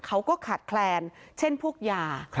เขาก็ขาดแคลนเช่นพวกยา